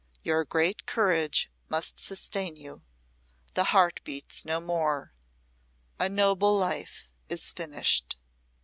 Your great courage must sustain you. The heart beats no more. A noble life is finished."